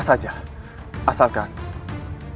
kisah anak muda ingin belajar apa